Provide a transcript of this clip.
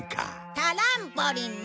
タランポリンね。